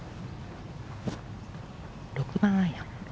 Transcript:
６番アイアン。